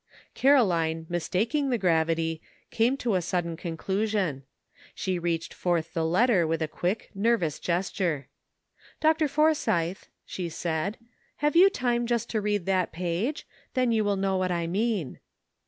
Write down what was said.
Caroline, mistaking the gravity, came to a sudden conclusion ; she reached forth the letter with a quick, nervous gesture. "Dr. For sythe," she said, "have you time just to read that page? Then you will know what I mean."